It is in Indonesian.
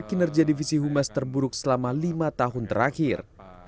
kinerja divisi humas terburuk selama lima tahun terakhir